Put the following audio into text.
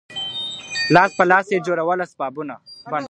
لا په لاس یې جوړوله اسبابونه ,